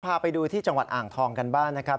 พาไปดูที่จังหวัดอ่างทองกันบ้างนะครับ